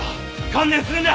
観念するんだ！